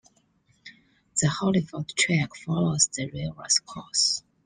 The Hollyford Track follows the river's course.